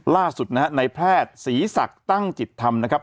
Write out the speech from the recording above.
ล่าสุดนะฮะในแพทย์ศรีศักดิ์ตั้งจิตธรรมนะครับ